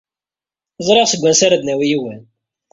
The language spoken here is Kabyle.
Ẓriɣ seg wansi ara d-nawi yiwen.